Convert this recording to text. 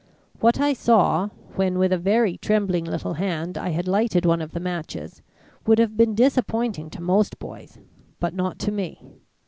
What I saw, when with a very trembling little hand I had lighted one of the matches, would have been disappointing to most boys, but not to me.